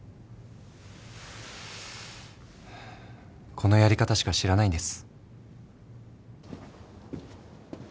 このやり方しか知らないんです。